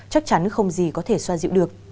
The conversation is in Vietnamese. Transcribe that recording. chắc chắn không gì có thể xoa dịu được